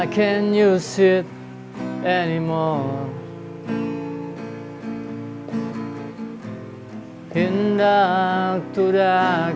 kayu nan lengan juga